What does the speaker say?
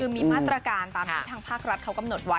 มีมาตรการตามที่ทางภาครัฐเขากำหนดไว้